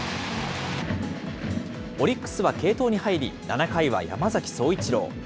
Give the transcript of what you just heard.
オリックスは継投に入り、７回は山崎颯一郎。